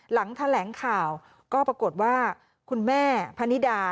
หลังแถลงข่าวก็ปรากฏว่าคุณแม่พนิดา